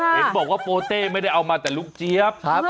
เห็นบอกว่าโปเต้ไม่ได้เอามาแต่ลูกเจี๊ยบครับ